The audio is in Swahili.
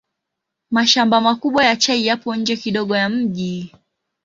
Mashamba makubwa ya chai yapo nje kidogo ya mji.